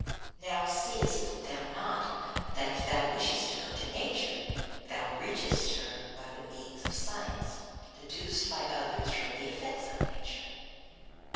Now seest thou not that if thou wishest to go to nature, thou reachest her by the means of science, deduced by others from the effects of nature?